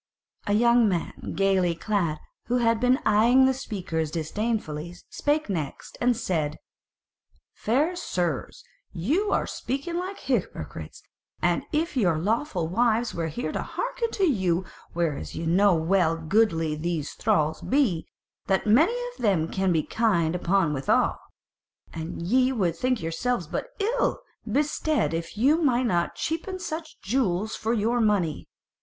A young man gaily clad, who had been eyeing the speakers disdainfully, spake next and said: "Fair sirs, ye are speaking like hypocrites, and as if your lawful wives were here to hearken to you; whereas ye know well how goodly these thralls be, and that many of them can be kind enough withal; and ye would think yourselves but ill bestead if ye might not cheapen such jewels for your money.